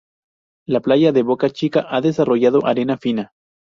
La playa de Boca Chica ha desarrollado arena fina.